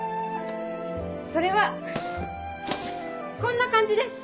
それはこんな感じです！